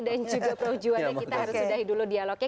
dan juga perujuan kita harus sudahi dulu dialognya